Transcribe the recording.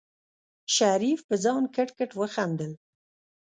شريف په ځان کټ کټ وخندل.